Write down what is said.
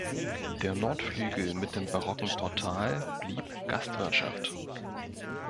Der Nordflügel mit dem barocken Portal blieb Gastwirtschaft.